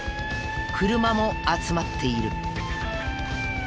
車も集まっている。